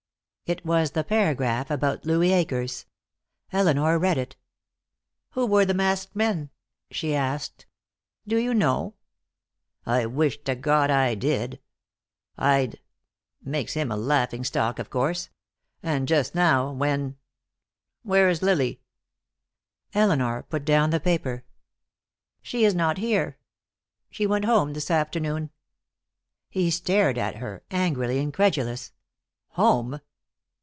It was the paragraph about Louis Akers. Elinor read it. "Who were the masked men?" she asked. "Do you know?" "I wish to God I did. I'd Makes him a laughing stock, of course. And just now, when Where's Lily?" Elinor put down the paper. "She is not here. She went home this afternoon." He stared at her, angrily incredulous. "Home?"